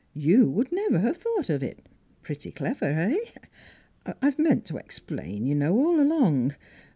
" You would never have thought of it. ... Pretty clever eh? ... I've meant to explain, you know, all along.